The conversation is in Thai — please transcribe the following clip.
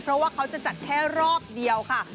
เพราะว่าเขาจะจัดแค่รอบเดียวค่ะ